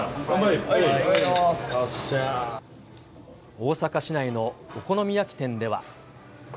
大阪市内のお好み焼き店では。